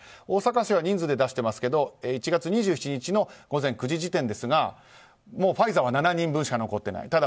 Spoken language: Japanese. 大阪市は人数で出してますけど１月２７日の午前９時時点でファイザーは７人分しか残っていない。